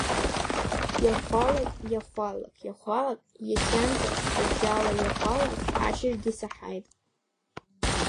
Иахәалак, иахәалак, иахәалак иахьанӡа, рыбжьала иахәалак ашьыжьгьы исаҳаит.